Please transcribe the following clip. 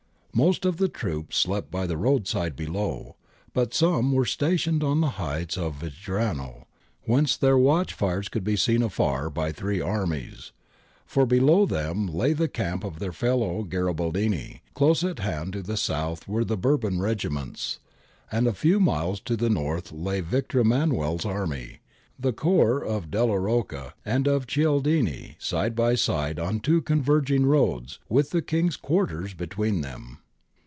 Most of the troops slept by the roadside below, but some were stationed on the heights of Vajrano, whence their watch fires could be seen afar by three armies : for below them lay the camp of their fellow Garibaldini ; close at hand to the south were Bourbon regiments ; and a few miles to the north lay Victor Emmanuel's army, the corps of Delia Rocca and of Cialdini side by side on two converging roads, with the King's quarters be tween them.